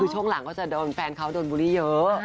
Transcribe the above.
ช่วงหลังเขาจะอยู่ถึงแฟนเขาจะโดนบูริเยอะ